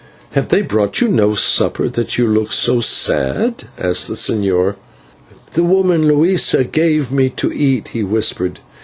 "Have they brought you no supper, that you look so sad?" asked the señor. "The woman, Luisa, gave me to eat," he whispered.